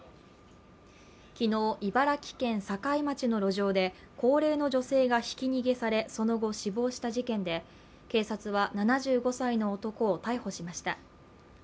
昨日、茨城県境町の路上で高齢の女性がひき逃げされ、その後、死亡した事件で、警察は７５歳の男を逮捕しました。